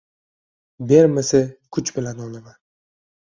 Bermasa, kuch bilan olaman…